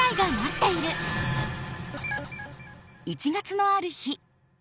１月のある日。